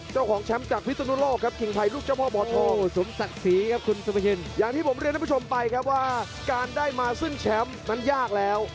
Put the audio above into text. อย่างที่ผมเรียนให้คุณผู้ชมไปครับว่าการได้มาซึ่งแชมป์มันยากแล้ว